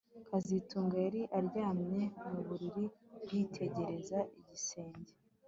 kazitunga yari aryamye mu buriri yitegereza igisenge